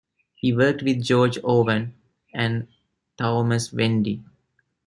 He worked with George Owen and Thomas Wendy.